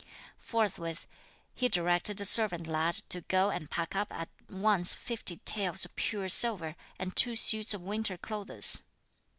Forthwith, he directed a servant lad to go and pack up at once fifty taels of pure silver and two suits of winter clothes.